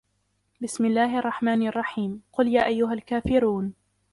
بسم الله الرحمن الرحيم قل يا أيها الكافرون